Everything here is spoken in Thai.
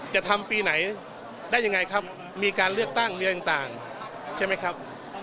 จะทำปีไหนได้ยังไงครับมีการเลือกตั้งอะไรต่างใช่ไหมครับ